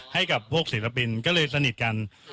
ให้กับพวกศิลปินก็เลยสนิทกัน